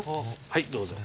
はいどうぞ。